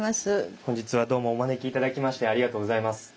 本日はどうもお招き頂きましてありがとうございます。